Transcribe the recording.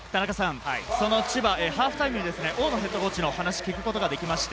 その千葉、ハーフタイムに大野ヘッドコーチの話を聞くことができました。